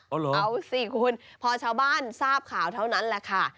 เอาเหรอเอาสิคุณพอชาวบ้านทราบข่าวเท่านั้นแหละค่ะ